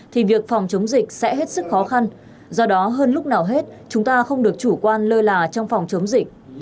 thì việc phòng chống dịch sẽ hết sức khó khăn do đó hơn lúc nào hết chúng ta không được chủ quan lơ là trong phòng chống dịch